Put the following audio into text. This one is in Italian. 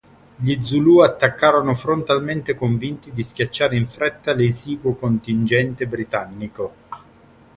Gli Zulù attaccarono frontalmente convinti di schiacciare in fretta l'esiguo contingente britannico.